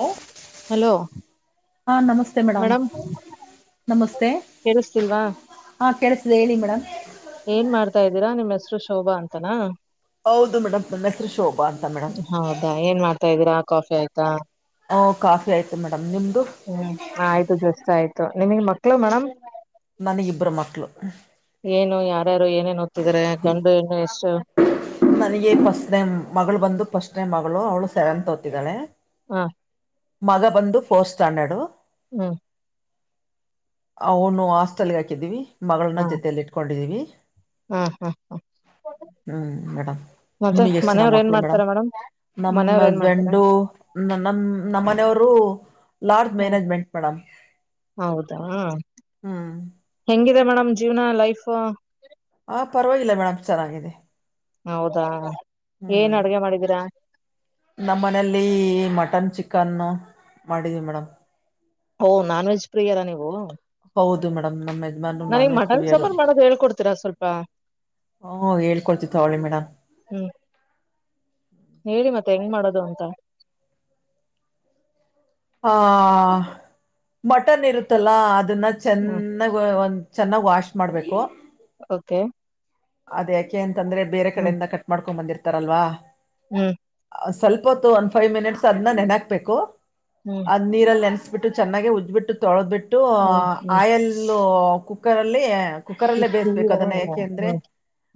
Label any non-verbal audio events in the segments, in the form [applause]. Hello hello ಹಾ ನಮಸ್ತೆ madam. ನಮಸ್ತೆ ಕೇಳಿಸ್ತಿಲ್ವಾ ಹಾ ಕೇಳಿಸ್ತಿದೆ ಹೇಳಿ ಮೇಡಮ್. ಏನ್ ಮಾಡ್ತಾ ಇದೀರಾ ನಿಮ್ಮ್ ಹೆಸರು ಶೋಭಾ ಅಂತಾನಾ. ಹೌದು ಮೇಡಮ್ ನನ್ನ ಹೆಸರು ಶೋಭಾ ಅಂತ ಮೇಡಮ್ ಹೌದಾ ಏನ್ ಮಾಡ್ತಾ ಇದೀರಾ ಕಾಫಿ ಆಯ್ತಾ. ಹ್ಮ್ಮ್ ಕಾಫಿ ಆಯ್ತು ಮೇಡಮ್ ನಿಮ್ದ. ಹ್ಮ್ಮ್ ಆಯ್ತು ಜಸ್ಟ್ ಆಯ್ತು ನಿಮಗ್ ಮಕ್ಕಳು ಮೇಡಂ. ನನಗೆ ಇಬ್ಬರು ಮಕ್ಕಳು ಏನು ಯಾರ್ಯಾರು ಏನೇನ್ ಓದ್ತ ಇದಾರೆ ಗಂಡು ಹೆಣ್ಣು ಎಷ್ ಸ್ಟ ನನಗೆ ಫಸ್ಟ್ ಟೈಮ್ ಮಗಳು ಬಂದು ಫಸ್ಟ್ ಟೈಮ್ ಮಗಳು ಅವಳು ಸೆವೆನ್ತ್ ಓದ್ತಾ ಇದಾಳೆ. ಹ ಮಗ ಬಂದು ಫೋರ್ತ್ ಸ್ಟಾಂಡರ್ಡು. ಹ್ಮ್ಮ್ ಅವನು ಹಾಸ್ಟೆಲ್ಗೆ ಹಾಕಿದೀವಿ ಮಗಳನ್ನ ಜೊತೆಯಲ್ಲಿ ಇಟ್ಕೊಂಡಿದೀವಿ. ಹ್ಮ್ಮ್ ಹ ಹ ಮೇಡಂ ಮತ್ತೆ ನಿಮಗ್ ಎಷ್ಟ ಜನ ಮನೆಯವ್ರ ಏನ್ ಮಕ್ಕಳು ಮೇಡಂ ಮಾಡ್ತಾರ ಮೇಡಮ್ ನಮ್ಮ ಮನೆಯವ್ರ ಏನ್ ಮಾಡ್ತಾರೆ ಹಸ್ಬೆಂಡು ನನಮ್ಮಂ. ನಮ್ಮ ಮನೆಯವ್ರು. ಹ್ಮ್ಮ್ ಹೌದಾ ಹ್ಮ್ ಹೆಂಗಿದೆ ಮೇಡಮ. ನಿಮ್ಮ ಜೀವನ ಲೈಫ್. ಹ ಪರವಾಗಿಲ್ಲ ಮೇಡಮ್ ಚೆನ್ನಾಗಿದೆ. ಹೌದಾ ಹ್ಮ್ ಏನ್ ಅಡ್ಗೆ ಮಾಡಿದ್ದೀರಾ. ಕನು ಮಾಡಿದೀವಿ ಮೇಡಮ್. ಓ ನಾನ್ ವೆಜ್ ಪ್ರಿಯರಾ ನೀವು. ಹೌದು ಮೇಡಮ್ ನಮ್ಮ ಯಜಮಾನ ನನಗ್ ಮಟನ್ ಸಾಂಬಾರ ಮಾಡೋದು ಹೇಳ್ಕೊಡ್ತೀರಾ ಸ್ವಲ್ಪ. ಹ್ಮ ಹೇಳ್ಕೊಳ್ತಿವ ತಗೋಳಿ ಮೇಡಮ. ಹ್ಮ್ ಹೇಳಿ ಮತ್ತೆ ಹೆಂಗ್ ಮಾಡೋದು ಅಂತ. ಆ ಮಟನ್ ಇರುತ್ತಲ್ಲಾ ಅದನ್ನ ಹ್ಮ್ ಚೆನ್ನಾಗ ಒಂದ. ಚೆನ್ನಾಗ ವಾಷ್ ಮಾಡಬೇಕು. ಓಕೆ ಅದ ಯಾಕೆ ಅಂತಂದ್ರೆ ಬೇರೆ ಹ್ಮ್ ಕಡೆಯಿಂದ ಕಟ್ ಮಾಡ್ಕೊಂಡ್ ಬಂದಿರ್ತಾರಲ್ವಾ. ಹ್ಮ್ ಸ್ವಲ್ಪ ಹೊತ್ತು ಒಂದು ಫೈವ್ ಮಿನಿಟ್ಸ್ ಅದನ್ನ ನೆನಹಾಕ್ಬೇಕು ಹ್ಮ್ ಅದ್ ನೀರಲ್ಲಿ ನೆನ್ ಉಚ್ಚಬಿಟ್ಟು ಚೆನ್ನಾಗಿ ಉಜ್ಬಿಟ್ಟು ತೊಳೆದ್ಬಿಟ್ಟು ಹ್ಮ್ ಹ್ಮ್ ಆಯಲ್ ಕುಕ್ಕರಲ್ಲಿ. ಕುಕ್ಕರಲ್ಲೇ ಇಷ್ಟು ಬೇಯಿಸ್ಬೇಕು ಇದಾ ಅದನ್ನ ಇದಾ ಯಾಕೆ ಅಂದ್ರೆ ಹ್ಮ್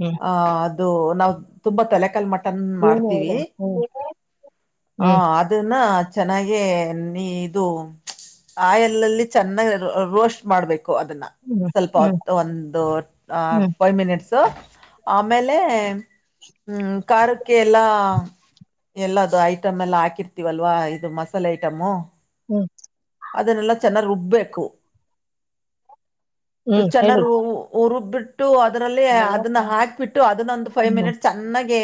ಹ್ಮ್ ಆ ಅದು ನಾವು ತುಂಬಾ ತಲೆಕಲ್ ಮಡ ತನ್ ಏನು ಮಾಡ್ತೀವಿ ಇದು ಹ್ಮ್ ಹ ಅದನ್ನ. ಚೆನ್ನಾಗೆ ನೀ ಇದು ಆ ಹಾಯಾಲಲ್ಲಿ ಚೆನ್ನಾಗಿ ರೋಸ್ಟ್ ಮಾಡ್ಬೇಕು. ಕೊ ಅದನ್ನ ಹ್ಮ್ ಹ್ಮ್ ಸ್ವಲ್ಪ ಹ್ಮ್ ಒಂದು ಅ ಹ್ಮ್ ಫೈವ ಮಿನಿಟ್ಸ್. ತೋ ಆಮೇಲೆ ಹ್ಮ್ ಕಾರಕ್ಕೆ ಎಲ್ಲ. ಎಲ್ಲದು ಐಟಮ್ ಎಲ್ಲ ಹಾಕಿರ್ತಿವಲ್ವಾ ಇದು ಮಸಾಲೆ ಐಟಮು. ಹ್ಮ್ ಅದನ್ನೆಲ್ಲ ಚೆನ್ನಾಗಿ್ ರುಬ್ಬೇಕು ಹ್ಮ್ ಚೆನ್ನ ಹೇಳಿ ರುಬ್ಬಿಟ್ಟ ಇಟ್ಟು ಅದರಲ್ಲಿ ಅದನ್ನ ನಲವತ್ತಾರು ಹಾಕ್ಬಿಟ್ಟು ಅದನ್ನ ಒಂದು ಫೈವ್ ಹ್ಮ್ ಮಿನಿಟ್ ಚೆನ್ನಾಗಿ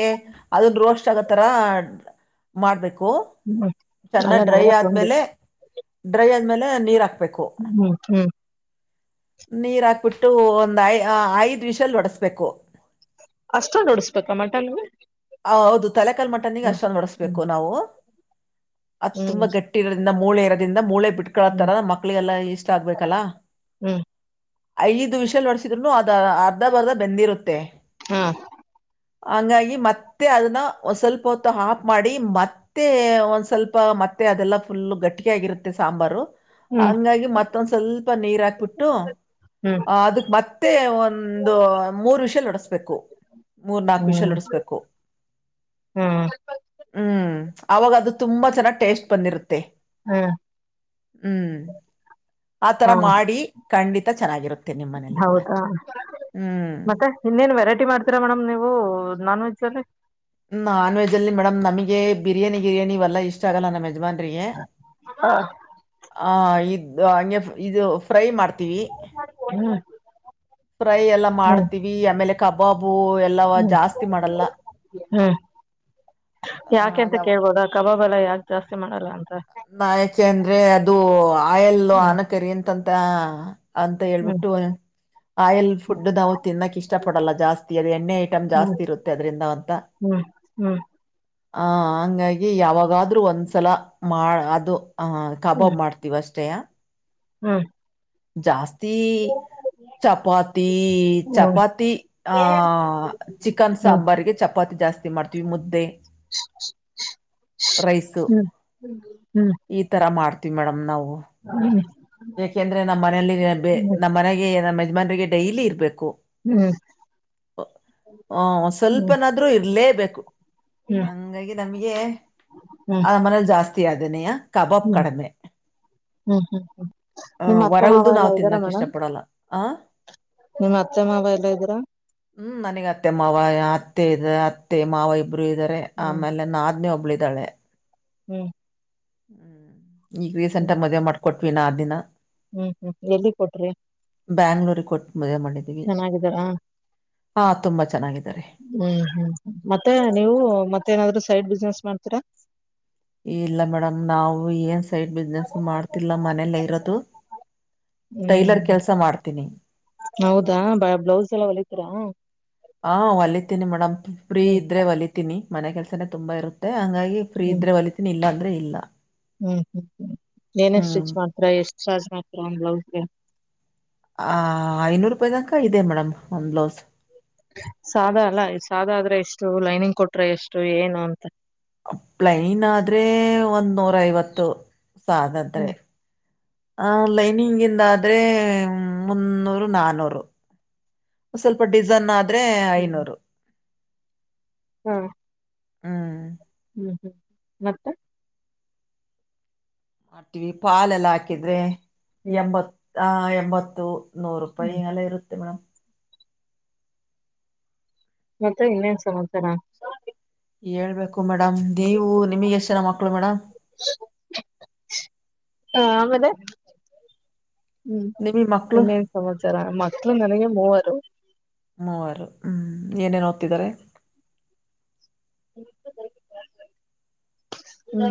ಅದನ್ ರೋಸ್ಟ್ ಆಗತ್ತಾರ ಆಡ ಮಾಡಬೇಕು ಹ್ಮ್ ಅಲ್ಲ ಚನ್ನಾಗಿ ಡ್ರೈ ಆದ ನಲವತ್ತೊಂದು ದ್ಮೇಲೆ ಡ್ರೈ ಆದ್ಮೇಲೆ ನೀರ್ ಹಾಕ್ ಹ್ಮ್ ಹ್ಮ್ ನೀರ್ ಹಾಕ್ಬಿಟ್ಟು ಒಂದ್ ಐ ಐದ್ ವಿಷಲ್ ಒಡಸ್ಬೇಕು. ಅಷ್ಟೊಂದ್ ಹೊಡಸ್ಬೇಕಾ ಮಟನ್ನು. ಆ ಹೌದು ತಲೆಕಲ್ ಮಟನ್ನಿಗೆ ಅಷ್ಟೊಂದು ಹೊಡಸ್ಬೇಕು ನಾವು. ಅದ್ ಹ್ಮ್ ತುಂಬಾ ಗಟ್ಟಿ ಇರೋದಿಂದ ಮೂಳೆ ಇರೋದಿಂದ ಮೂಳೆ ಹ್ಮ್ ಬಿಟ್ಕೊಳತ್ತರ ಮಕ್ಳಿಗೆ ಎಲ್ಲಾ ಇಷ್ಟ ಆಗ್ಬೇಕಲ್ಲ. ಹ್ಮ್ ಐದು ವಿಷಲ್ ಹೊಡೆಸಿದ್ರುನೂ ಅದ ಅರ್ಧ ಬರ್ಧ ಬೆಂದಿರುತ್ತೆ. ಹಾ ಹಂಗಾಗಿ ಮತ್ತೆ ಅದನ್ನ ಒ ಸ್ವಲ್ಪ ಹೊತ್ತು ಹಾಪ್ ಮಾಡಿ ಮತ್ತೆ ಒಂದ್ ಸ್ವಲ್ಪ ಮತ್ತೆ ಅದೆಲ್ಲ ಫುಲ್ ಗಟ್ಟಿಗೆ ಆಗಿರುತ್ತೆ ಸಾಂಬಾರು ಹ್ಮ್ ಹಂಗಾಗಿ ಮತ್ತೊಂದ ಸ್ವಲ್ಪ ನೀರ್ ಹಾಕ್ಬಿಟ್ಟು ಹ್ಮ್ ಅದಕ್ ಮತ್ತೆ ಒಂದು ಮೂರು ವಿಷಲ್ ನಡಸ್ಬೇಕು ಮೂರ್ ನಾಕು ಹ್ಮ್ ವಿಷಯಾಲೋಡಸ್ಬೇಕು [inaudible] ಹ್ಮ್ ಅವಾಗ ಅದು ತುಂಬಾ ಚೆನ್ನಾಗ್ ಟೇಸ್ಟ್ ಬಂದಿರುತ್ತೆ ಹಾ ಹ್ಮ್ ಆತರ ಹಾ ಮಾಡಿ ಖಂಡಿತ ಚೆನ್ನಾಗಿರುತ್ತೆ ನಿಮ್ಮನೇೆಯಲ್ಲಿ ಕೂಡ ಹೌದಾ ಹ್ಮ್ ಮತ್ತೆ ಇನ್ನೇನ್ ವೆರೈಟಿ ಮಾಡ್ತೀರಾ ಮೇಡಮ್ ನೀವು ನಾನ್ ವೆಜ್ ಅಲ್ಲಿ ನಾನ್ ವೆಜ್ ಅಲ್ಲಿ ಮೇಡಮ್ ನಮಗೆ ಬಿರಿಯಿ ಗಿರಿಯಾನ ಇವಲ್ಲ ಇಷ್ಟ ಆಗಲ್ಲ ನಮ್ಮ ಯಜಮಾನ್ ಹಾ ಹ ಇದು ಹಂಗೆ ಇದು ಫ್ರೈ ಮಾಡ್ತ ಹ್ಮ್ ಫ್ರೈ ಎಲ್ಲ ಹ್ಮ್ ಮಾಡ್ತೀವಿ ಆಮೇಲೆ ಕಬಾಬ್ ಹೂ ಎಲ್ಲ ಹ್ಮ್ ಜಾಸ್ತಿ ಮಾಡಲ್ಲ ಹ್ಮ್ ಯಾಕೆಂತ ಅದಾವ ಕೇಳ್ಬೋದ ಕಬಾಬ್ ಎಲ್ಲ ಯಾಕ ಜಾಸ್ತಿ ಮಾಡಲ್ಲ ಅಂತ ನಾ ಯಕೆ ಅಂದ್ರೆ ಅದು ಆಯಲ್ ಹ್ಮ್ ಆನಕರಿ ಅಂತಂತ ಅಂತ ಹ್ಮ್ ಹೇಳ್ಬಿಟ್ಟುನು ಆಯಲ್ ಫುಡ್ ನಾವು ತಿನ್ನಕ್ ಇಷ್ಟ ಪಡಲ್ಲ ಜಾಸ್ತಿ ಅದು ಎಣ್ಣೆ ಐಟಮ್ ಹ್ಮ್ ಜಾಸ್ತಿ ಇರುತ್ತೆ ಅದ್ರಂದ ಅಂತ ಹ್ಮ್ ಹ್ಮ್ ಹ ಹಂಗಾಗಿ ಯಾವಾಗಾದ್ರೂ ಒಂದ್ಸಲ ಮಾಡ ಅದು ಹ ಕಬಾಬ್ ಮಾಡ್ತೀವ ಅಷ್ಟೇ ಹ್ಮ್ ಜಾಸ್ತಿ ಚಪಾತಿ ಹ್ಮ್ ಚಪಾತಿ ಆಹ ಚಿಕನ್ ಹ್ಮ್ ಹ್ಮ್ ಸಾಂಬಾರ್ಗೆ ಚಪಾತಿ ಜಾಸ್ತಿ ಮತ್ತು ಮರ್ತದವಿ ಮುದ್ದೆ ರೈಸ್ ಹ್ಮ್ ಈ ತರ ಮಾಡ್ತ ತಿತಿ ಮಡಮ ನಾವು ಹ ಯಾಕೆಂದ್ರೆ ನಮ್ಮ್ನೆಯಲ್ಲಿ ನಮ್ಮ್ ಮನೆಗೆ ನಮ್ಮ್ ಯಜಮಾನ್ರಿಗೆ ಡೈಲಿ ಇರ್ಬೇಕು ಆ ಹ್ಮ್ ಹ್ಮ್ ಹ್ಮ್ ಹ್ಮ್ ಸ್ವಲ್ಪನಾದ್ರೂ ಇರ್ಲೇಬೇಕು ಹಂಗಾಗಿ ನಮ್ಗೆ ಆ ಮನೇಲ್ ಜಾಸ್ತಿ ಆದನೆಯ ಹ್ಮ್ ಹ್ಮ್ ಹ್ಮ್ ಹ್ಮ್ ಹ ಹೊರಗಲ್ದು ನಾವ್ ತಿನ್ನಕ್ ಇಷ್ಟ ಪಡಲ್ಲ ಆ ನಿಮ್ಮ ಅತ್ತೆ ಮಾವ ಎಲ್ಲ ಇದ್ದೀರಾ ಹ್ಮ್ ನನಗತ್ತೆ ಮಾವ ಅತ್ತೆ ಇ ಅತ್ತೆ ಮಾವ ಇಬ್ರು ಇದ್ದಾರೆ ಹ್ಮ್ ಆಮೇಲೆ ನಾದ್ನೇ ಒಬ್ಳಿದಾಳೆ ಹ್ಮ್ ಹ್ಮ್ ಈಗ ರೀಸೆಂಟ್ ಹ್ಮ್ ಮದ್ವೆ ಮಾಡ್ಕೊಟ್ವಿ ನಾದ್ನಿನ ಹ್ಮ್ ಹ್ಮ್ ಎಲ್ಲಿ ಕೊಟ್ರಿ ಬ್ಯಾಂಗ್ಳೂರಿಗೆ ಕೊಟ್ ಮದುವೆ ಮಾಡಿದೀವಿ ಚೆನ್ನಾಗಿದ್ದಾರಾ ಹಾ ತುಂಬಾ ಚೆನ್ನಾಗಿದೆ ಹ್ಮ್ ಹ್ಮ್ ಮತ್ತೆ ನೀವು ಮತ್ತೇಏನಾದ್ರು ಸೈಡ್ ಬಿಸ್ನೆಸ್ ಮಾಡ್ತೀರಾ ಇಲ್ಲ ಮೇಡಮ್ ನಾವು ಏನ್ ಸೈಡ್ ಬಿಸ್ನೆಸ್ ಮಾಡ್ತಿಲ್ಲ ಮನೆಯಲ್ಲ ಇರೋದು ಟೈಲರ್ ಹ್ಮ್ ಕೆಲ್ಸ ಮಾಡ್ತೀನಿ ಹೌದಾ ಬ ಬ್ಲೌಸ್ ಎಲ್ಲ ಹೊಲಿತರಾ ಹಾ ಒಲಿತೀನಿ ಮೇಡಮ್ ಫ್ರೀ ಹ್ಮ್ ಇದ್ರೆ ಒಲಿತೀನಿ ಮನೆ ಕೆಲ್ಸನೇ ತುಂಬಾ ಇರುತ್ತೆ ಹಂಗಾಗಿ ಫ್ರೀ ಹ್ಮ್ ಇದ್ರೆ ಒಲಿತೀನಿ ಇಲ್ಲ ಅಂದ್ರೆ ಇಲ್ಲ ಹ್ಮ್ ಹ್ಮ್ ಹ್ಮ್ ಏನ ಹ್ಮ್ ಸ್ಟಿಚ್ ಮಾತ್ರ ಎಷ್ಟ ಸಾಜ್ ಮಾತ್ರ ಒಂದ್ ಬ್ಲೌಸ್ಗೆ ಆ ಐನೂರು ರೂಪಾಯಿ ತನಕ ಇದೆ ಮೇಡಮ್ ಒಂದ್ ಬ್ಲೌಸ್ ಸಾದ ಅಲ್ಲ ಸಾದ ಆದ್ರೆ ಎಷ್ಟು ಲೈನಿಂಗ್ ಕೊಟ್ರೆ ಎಷ್ಟು ಏನು ಅಂತ ಪ್ಲೈನ್ ಆದ್ರೆ ಒಂದ್ ನೂರ್ ಐವತ್ತು ಸಾಧಾದ್ರೆ ಹ್ಮ್ ಆ ಲೈನಿಂಗ್ ಇಂದ ಆದೆ ಮುನ್ನೂರು ನಾನೂರು ಸ್ವಲ್ಪ ಡಿಸೈನ್ ಆದ್ರೆ ಐನೂರು ಹ್ಮ ಹ್ಮ್ ಹ್ಮ್ ಹ್ಮ್ ಮತ್ತ [unintelligible] ಮಾಡ್ತೀವಿ ಪಾಲೆಲ್ಲ ಹಾಕಿದ್ರೆ ಹ್ಮ್ ಎಂಬತ್ ಆ ಎಂಬತ್ತು ನೂರೂಪಾಯಿ ಹ್ಮ್ ಎಲ್ಲ ಇರುತ್ತೆ ಮೇಡಮ್ ಮತ್ತೆ ಇನ್ನೇನ್ ಸಮಾಚಾರ ಹೇಳ್ಬೇಕು ಮೇಡಮ್ ನೀವು ನಿಮಿಗ್ ಎಷ್ಟ್ ಜನ ಮಕ್ಳು ಮೇಡಮ್ ಹಾ ಅಮೇಲೆ ಹ್ಮ್ ನಿಮಗ್ ಮಕ್ಕಳು ಇನ್ನೇನ್ ಸಮಾಚಾರ ಮಕ್ಳು ನನಗೆ ಮೂವರು ಮೂವರು ಹ್ಮ್ ಏನೇನ್ ಓದ್ತಿದ್ದಾರೆ ಹ್ಮ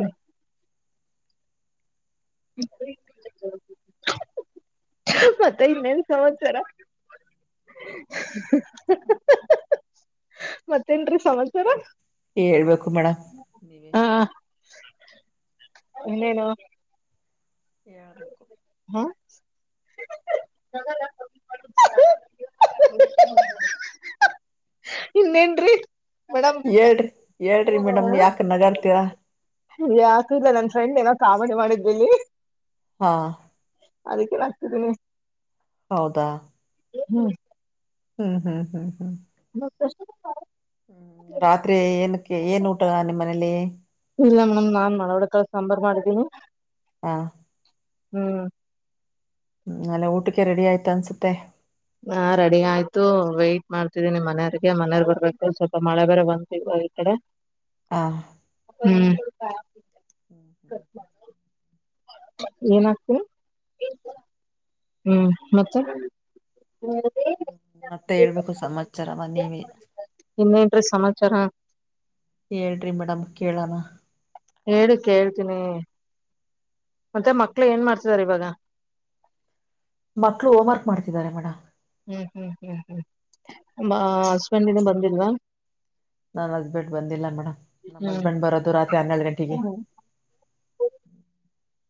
ಹ [inaudible] [inaudible] ಮತ್ತೆ ಇನ್ನೇನ್ ಸಮಾಚಾರ ಮತ್ತೇನ್ ರಿ ಸಮಾಚಾರ ಹೇಳ್ಬೇಕು ಮೇಡಮ್ ನೀವೆ ಹ ಇನ್ನೇನು ಹೇಳ್ಬೇಕು [inaudible] ಇನ್ನೆನ್ರಿ ಮೇಡಮ್ ಹೇಳ್ರಿ ಹೇಳ್ರಿ ಮೇಡಮ್ ಯಾಕ ನಗಾಡ್ತೀರಾ ಹ್ಮ್ ಯಾಕು ಇಲ್ಲ ನನ್ ಫ್ರೆಂಡ್ ಏನೋ ಕಾಮಿಡಿ ಮಾಡಿದ್ವಿ ಹಾ ಅದಿಕ್ಕೆ ನಗ್ತಿದ್ದೀನಿ ಹೌದಾ ಹ್ಮ್ ಹ್ಮ್ ಹ್ಮ್ ಹ್ಮ್ ಹ್ಮ್ ಮ ಕ [unintelligible] ಹ್ಮ್ ರಾತ್ರಿ ಏನಕ್ಕೆ ಏನ್ ಊಟ ನಿಮ್ ಮನೇಲಿ ಇಲ್ಲ ಮೇಡಮ್ ನಾನ್ ಮಳಹುಳಿಕಾಳ್ ಸಾಂಬಾರ್ ಮಾಡಿದ್ದೀನಿ ಹಾ ಹ್ಮ್ ಹ್ಮ್ ಅಲಿ ಊಟಕ್ಕೆ ರೆಡಿ ಆಯ್ತ ಅನ್ಸುತ್ತೆ ಹಾ ರೆಡಿ ಆಯ್ತು ವೈಟ್ ಮಾಡ್ತಿದ್ದೀನಿ ಮನೆಯವ್ರಿಗೆ ಮನೆಯವರ್ ಬರ್ಬೇಕು ಸ್ವಲ್ಪ ಮಳೆ ಬೇರೆ ಬಂತ್ ಇವ ಇ ಕಡೆ ಹಾ. ಹ್ಮ್. ಹ್ಮ್ ಹ್ಮ್ ಹ್ಮ್. ಏನ ಆ್ತೀ [unintelligible] ಹ್ಮ್ ಮತ್ತೆ ಹ್ಮ ಮತ್ತೆ ಹೇಳ್ಬೇಕು ಸಮಾಚಾರವ ನೀವೆ ಇನ್ನೆನ್ರಿ ಸಮಾಚಾರ ಹೇಳ್ರಿ ಮೇಡಮ್ ಕೇಳಣ ಹೇಳಿ ಕೆಳ್ತೀನಿ ಮತ್ತೆ ಮಕ್ಳು ಏನ್ ಮಾಡ್ತಿದರೆ ಇವಾಗ ಮಕ್ಳು ಹೋಮ್ ವರ್ಕ್ ಮಾಡ್ತಿದ್ದಾರೆ ಮೇಡಮ್ ಹ್ಮ್ ಹ್ಮ್ ಹ್ಮ್ ಹ್ಮ ನಿಮ್ಮ ಹಸ್ಬೆಂಡ್ ಇನ್ನು ಬಂದಿಲ್ವಾ ನನ್ ಹಸ್ಬೆಂಡ್ ಬಂದಿಲ್ಲ ಮೇಡಮ್ ನಮ್ಮ್ ಹ್ಮ್ ಹಸ್ಬೆಂಡ್ ಬರೋದು ರಾತ್ರಿ ಹನ್ನೆರಡು ಗಂಟೆಗೆ.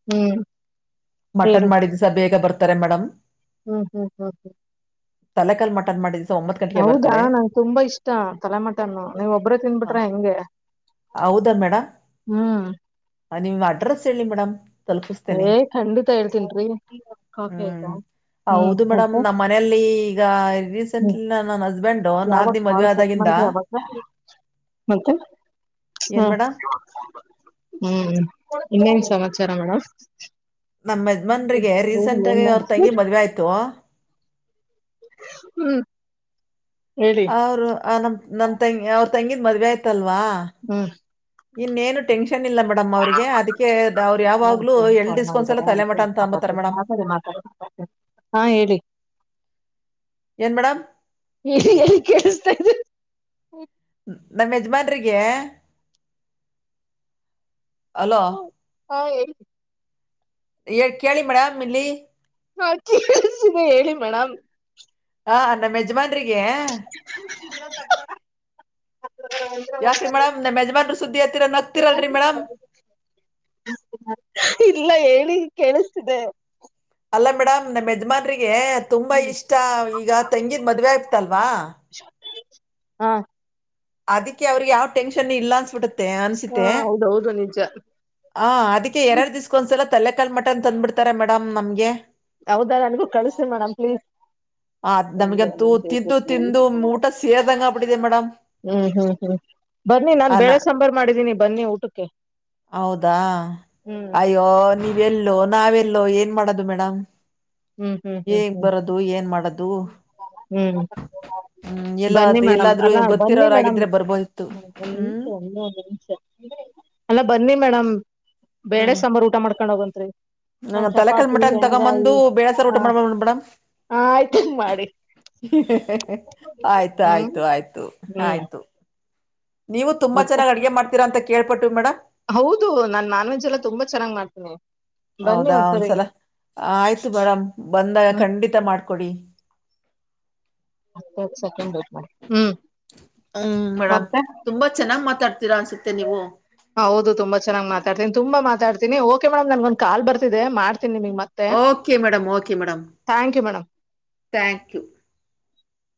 ಹ್ಮ್. ಮಟನ್ ಹೇಳಿ ಮಾಡಿದ್ಸ ಬೇಗ ಬರ್ತಾರೆ ಮೇಡಮ್. ಹ್ಮ್ ಹ್ಮ್ ಹ್ಮ್ ಹ್ಮ್. ತಲೆಕಲ್ ಮಟನ್ ಮಾಡಿದ. ಹೌದಾ ನಂಗೆ ತುಂಬಾ ಇಷ್ಟ ತಲೆಮಟನ್ನು ನೀವ್ ಒಬ್ರೇ ತಿನ್ಬಿಟ್ರ ಹೆಂಗೆ. ಹೌದಾ ಮೇಡಮ್ ಹ್ಮ್. ನಿಮ್ ಅಡ್ರೆಸ್ ಹೇಳಿ ಮೇಡಮ್. ತಲುಪಿಸ್ತೇನೆ ಏ ಖಂಡಿತ ಹೇಳ್ತೇನ್ರಿರಿ ಕ ಹ್ಮ್ ಆಯ್ತಾ. ಹ್ಮ್ ಹೌದು ಮೇಡಮ್ ಮತ್ತೆ ನಮ್ಮ್ ಮನೆಯಲ್ಲಿ ಈಗ ಹ್ಮ್ ರೀಸೆಂಟ್ಲಿ ನನ್ ಹಸ್ಬೆಂಡ್. ಯಾವಾಗ ಹಾಲ್ ಕಟ್ ಮಾಡಿದ್ರೆ ಅವಾಗ ಮೆ. ಹಾ ಏನ್ ಮೇಡಮ್ ಹ್ಮ್ ಇನ್ನೇನ್ ಸಮಾಚಾರ ಮೇಡಮ್. ನಮ್ಮ ಯಜ್ಮಾನ್ರಿಗೆ ಹೇಳಿ ಏನ್ ರೀಸೆಂಟಗಿ ಅವ್ರ ತಂಗಿ ಮಾಡ್ತೀರಿ? ಮದ್ವೆ ಆಯ್ತು. ಹ್ಮ. ಅವರು ಆ ನಮ ನಮ್ ತಂಗಿ ಅವ್ರ ತಂಗಿದ ಮದ್ವೆ ಆಯ್ತಲ್ವಾ. ಇನ್ನೇನು ಟೆನ್ಷನ್. ನ್ ಇಲ್ಲ ಮೇಡಮ್ ಅವ್ರರಿಗೆ ಹ್ಮ್ ಅದಕ್ಕೆ ಅವ್ರು ನನ್ ಯಾವಾಗ್ಲೂ ಫ್ರೆಂಡ್ ಎಲ್ಡ್ ಕಾಲ್ ದಿಸ್ಕೌಸ್ ಮಾಡಿದ್ದಾರೆ ಎಲ್ಲ ಅದಕ್ಕೆ ತಲೆಮಠ ಅಂತ ಅಂಬತಾರೆ ಮಾತಾಡ್ತೀನಿ ಮೇಡಮ್. ಮಾತಾಡಿ ಮಾತಾಡಿ ಹಾ ಹೇಳಿ. ಏನ್ ಮೇಡಮ್ ಇ ಕೆಸತ. ನಮ್ ಯಜಮಾನ್ರಿಗೆ. ಅಲೋ ಹ್ಮ ಹ. ಏ ಕೇಳಿ ಮೇಡಮ್ ಇಲ್ಲಿ. ಹಾ ಕೇಳಸಿದೆ ಹೇಳಿ ಮೇಡಮ್. ಹಾ ನಮ್ಮ ಯಜಮಾನ. ರಿಗೆ ಯಾಕ್ರೀ ಮೇಡಮ್ ನಮ್ಮ ಯಜಮಾನ್. ಸುದ್ದಿ ಏತ್ತೀರ ನಗ್ತಿರಲ್ರಿ ಮೇಡಮ್. ಇಲ್ಲ ಹೇಳಿ ಕೇಳಿಸ್ತಿದೆ. ಅಲ್ಲ ಮೇಡಮ್ ನಮ್ಮ ಯಜಮಾನ್ರಿಗೆ ತುಂಬಾ ಇಷ್ಟ ಈಗ ತೆಂಗಿದ್ ಮದ್ವೆ ಆಗ್ತಲ್ವಾ. ಹಾ. ಅದಕ್ಕೆ ಅವ್ರಿಗೆ ಯಾವ್ ಟೆನ್ಷನ್ ಇಲ್ಲ ಅನ್ಸ್ಬಿಟ್ಟತ್ತೆ ಹಾ ಅನ್ಸಿತ್ತೆ. ಹೌದೌದು ನಿಜ ಹಾ ಅದಕ್ಕೆ ಹ್ಮ್. ಎರಡು ದಿಸ್ಕಕೊಂದ್ಸಲ ತಲೆಕಾಲ್ ಮಟನ್ ತಂದ್ಬಿಡ್ತಾರೆ ಮೇಡಮ್ ನಮ್ಗೆ. ಹೌದ ನನ್ಗೂ ಕಳಸ ಮೇಡಮ್ ಪ್ಲೀಸ್. ಆ ಒಂದೇ ಒಂದ್ ನಮ್ಗೆಂತೂ ನಿಮಿಷ ಇರ್ಲಿ ತಿದ್ದು ಪ್ಲೀಸ್ ತಿಂದು ಊಟ ಸೇರ್ದಂಗ ಆಗ ಬಿಡಿದೆ ಮೇಡಮ್. ಹ್ಮ್ ಹ್ಮ್ ಹ್ಮ್ ಬನ್ನಿ ನಾನ್ ಅನ ಬೇಳೆ ಸಾಂಬಾರ್ ಮಾಡಿದೀನಿ ಬನ್ನಿ ಊಟಕ್ಕೆ. ಹೌದಾ ಹ್ಮ್ ಅಯ್ಯೋ ನೀವೆಲ್ಲೋ ನಾವೆಲ್ಲೋ ಏನ್. ಮಾಡದು ಮೇಡಮ್. ಹ್ಮ್ ಹ್ಮ್ ಹ್ಮ್ ಹೇಗ್ ಹ್ಮ್ ಬರೋದು ಏನ್ ಮಾಡೋದು ಹ್ಮ್. ಹ್ಮ್ ಎಲ್ಲ ಬನ್ನಿ ಮೇಡಮ್ ಎಲ್ಲಾದ್ರೂ ಅಲ್ಲಾ ಬನ್ನಿ ಮೇಡಮ್ ಗೊತ್ತಿರೋರಾಗಿದ್ರೆ ಬರ್ಬೋದಿತ್ತು ನಿಮ ಹ್ಮ್ ಒಂದ ನಿಮಷ. ಅಲ್ಲ ಬನ್ನಿ ಮೇಡಮ್ ಬೇಳೆ ಸಾಂಬಾರು ಊಟ ಮಾಡ್ಕೊಂಡ ಹೋಗಂತ. ನ ತಲೆಕಲ್ ಮಠ ಅ ತಗೊಂಬಂದು ಬೇೇಳಸಾರ ಹ ಊಟ ಮಾಡ್ಬೇ ಮೇಡಮ್ ಆಯ್ತಂಗ ಮಾಡಿ ಆಯ್ತು ಹ್ಮ್ ಆಯ್ತು ಆಯ್ತು ಹ್ಮ್ ಆಯ್ತು. ನೀವು ತುಂಬ ಮತ್ತೆ ಚನ್ನಾಗಿ ಅಡಗೆ ಮಾಡ್ತೀರಾ ಅಂತಾ ಕೇಳ್ಪಟ್ವಿ ಮೇಡಮ್. ಹೌದು ನಾನ್ ನಾನ್ ವೆಜ್ ಎಲ್ಲಾ ತುಂಬಾ ಚೆನ್ನಾಗ್ ಮಾಡ್ತೀನಿ. ಬನ್ನಿ ಹೌದಾ ಒಂದ್ಸರಿ ಒಂದ್ಸಲ ಆಯ್ತು ಮೇಡಂ ಬಂದಾಗ ಹ್ಮ್ ಖಂಡಿತ ಮಾಡ್ಕೊಡಿ. ಹತ್ತತ್ ಸೆಕೆಂಡ್ ಬಟ್ ಮಾಡಿ ಹ್ಮ್. ಹ್ಮ್ ಮೇಡಮ್ ತುಂಬಾ ಚೆನ್ನಾಗ್ ಮಾತಾಡ್ತ. ಹ ಹೌದು ತುಂಬಾ ಚೆನ್ನಾಗ್ ಮಾತಾಡ್ತೇನಿ ತುಂಬಾ ಮಾತಾಡ್ತೀನಿ. ಮೇಮ್ ನನ್ಗ ಒಂದು ಕಾ ಬರ್ತಿದೆ ಮಾಡಿ. Okay madam okay madam thank you madam thank you